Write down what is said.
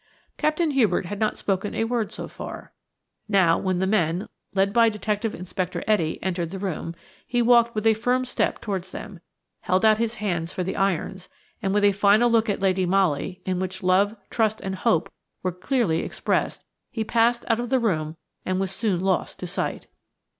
Captain Hubert had not spoken a word so far. Now, when the men, led by Detective Inspector Etty, entered the room, he walked with a firm step towards them, held out his hands for the irons, and with a final look at Lady Molly, in which love, trust, and hope were clearly expressed, he passed out of the room and was soon lost to sight.